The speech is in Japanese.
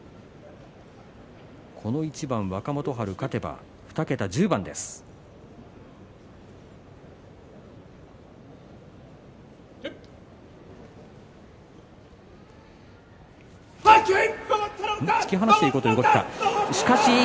この一番若元春、勝てば２桁１０番に乗せます。